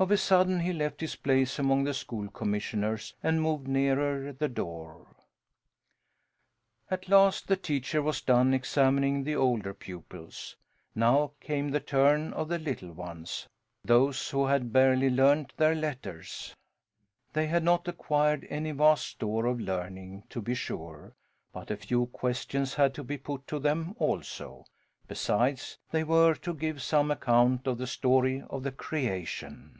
Of a sudden he left his place among the School Commissioners and moved nearer the door. At last the teacher was done examining the older pupils. Now came the turn of the little ones, those who had barely learnt their letters. They had not acquired any vast store of learning, to be sure, but a few questions had to be put to them, also. Besides, they were to give some account of the Story of the Creation.